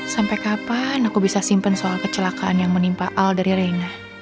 sampai kapan aku bisa simpen soal kecelakaan yang menimpa al dari reina